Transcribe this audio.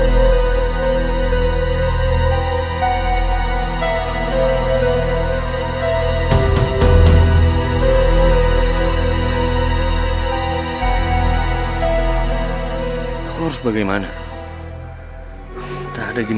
tapi ambo sudah semakin kritis